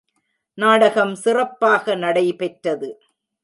நாடகம் சிறப்பாக நடைபெற்றது.